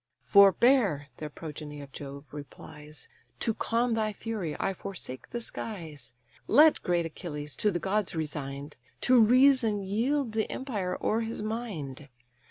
"Forbear (the progeny of Jove replies) To calm thy fury I forsake the skies: Let great Achilles, to the gods resign'd, To reason yield the empire o'er his mind.